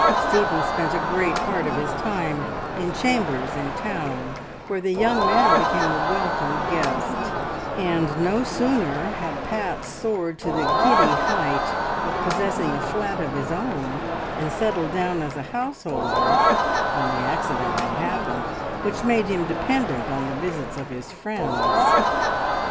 Stephen spent a great part of his time in chambers in town, where the young man became a welcome guest, and no sooner had Pat soared to the giddy height of possessing a flat of his own, and settled down as a householder, than the accident had happened which made him dependent on the visits of his friends.